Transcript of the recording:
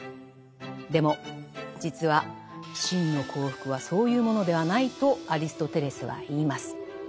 でも実は「真の幸福」はそういうものではないとアリストテレスは言います。